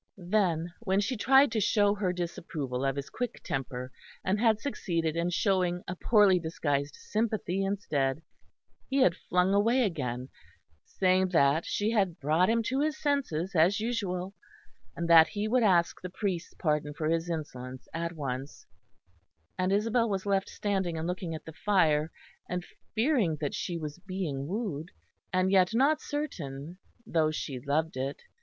Then, when she tried to show her disapproval of his quick temper, and had succeeded in showing a poorly disguised sympathy instead, he had flung away again, saying that she had brought him to his senses as usual, and that he would ask the priest's pardon for his insolence at once; and Isabel was left standing and looking at the fire, fearing that she was being wooed, and yet not certain, though she loved it.